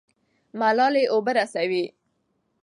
ملالۍ اوبه رسوي.